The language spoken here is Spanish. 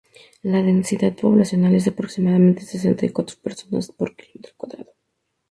La densidad poblacional es de aproximadamente sesenta y cuatro personas por kilómetro cuadrado.